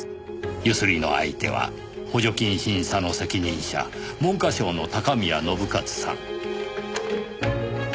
強請りの相手は補助金審査の責任者文科省の高宮信一さん。